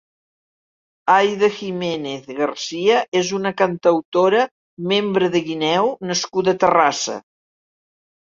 Aida Giménez Garcia és una cantautora, membre de Guineu nascuda a Terrassa.